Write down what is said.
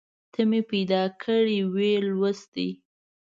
ته مې پیدا کړې ومې لوستې